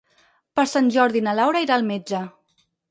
Per Sant Jordi na Laura irà al metge.